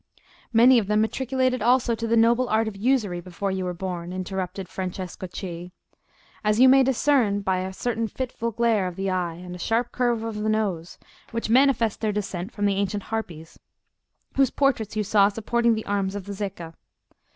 "Many of them matriculated also to the noble art of usury before you were born," interrupted Francesco Cei, "as you may discern by a certain fitful glare of the eye and sharp curve of the nose which manifest their descent from the ancient Harpies, whose portraits you saw supporting the arms of the Zecca.